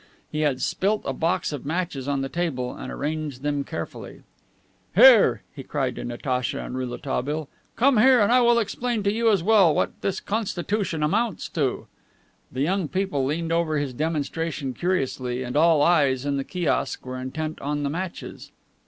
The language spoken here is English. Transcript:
He had spilt a box of matches on the table and arranged them carefully. "Here," he cried to Natacha and Rouletabille. "Come here and I will explain to you as well what this Constitution amounts to." The young people leaned over his demonstration curiously and all eyes in the kiosk were intent on the matches.